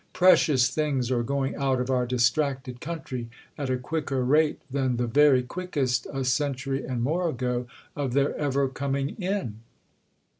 "Precious things are going out of our distracted country at a quicker rate than the very quickest—a century and more ago—of their ever coming in."